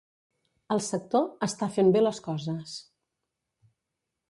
El sector ‘està fent bé les coses’